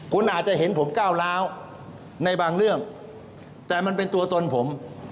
คุณอาจจะเห็นผมก้าวร้าวในบางเรื่องแต่มันเป็นตัวตนผม